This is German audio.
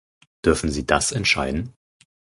Dürfen sie das entscheiden?